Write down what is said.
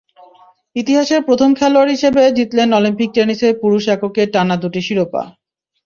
ইতিহাসের প্রথম খেলোয়াড় হিসেবে জিতলেন অলিম্পিক টেনিসের পুরুষ এককের টানা দুটি শিরোপা।